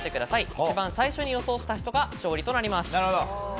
一番最初に予想できた人が勝利となります。